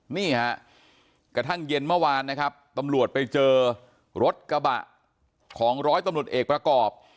นี่ฮะกระทั่งเย็นเมื่อวานนะครับตำรวจไปเจอรถกระบะของร้อยตำรวจเอกประกอบ